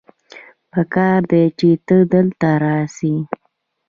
پکار دی چې ته دلته راسې